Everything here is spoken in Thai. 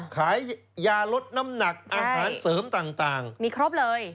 ขายยาลดน้ำหนักอาหารเสริมต่างมีครบเลย